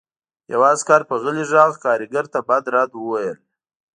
یوه عسکر په غلي غږ کارګر ته بد رد وویل